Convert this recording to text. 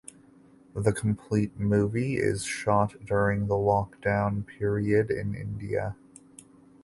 The complete movie is shot during the lockdown period in India.